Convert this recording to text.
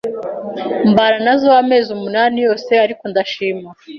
mbana nazo amezi umunani yose ariko ndashima